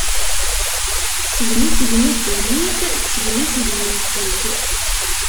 Tesgem isegmi dunnit, tesgem isegmi n ttut.